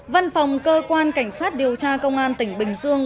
văn phòng cơ quan cảnh sát điều tra công an tỉnh bình dương